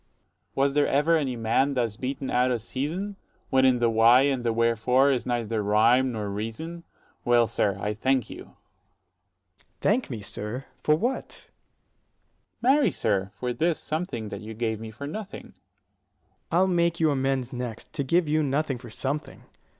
Dro. S. Was there ever any man thus beaten out of season, When in the why and the wherefore is neither rhyme nor reason? Well, sir, I thank you. Ant. S. Thank me, sir! for what? 50 Dro. S. Marry, sir, for this something that you gave me for nothing. Ant. S. I'll make you amends next, to give you nothing for something.